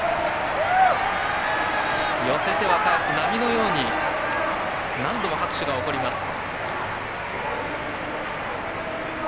寄せては返す波のように何度も拍手が起こります。